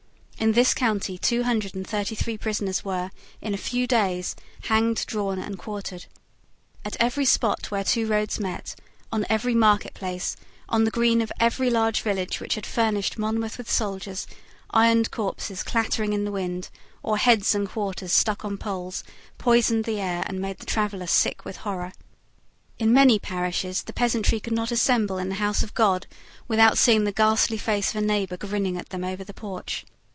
In this county two hundred and thirty three prisoners were in a few days hanged, drawn, and quartered. At every spot where two roads met, on every marketplace, on the green of every large village which had furnished Monmouth with soldiers, ironed corpses clattering in the wind, or heads and quarters stuck on poles, poisoned the air, and made the traveller sick with horror. In many parishes the peasantry could not assemble in the house of God without seeing the ghastly face of a neighbour grinning at them over the porch.